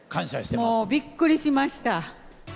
もうびっくりしました。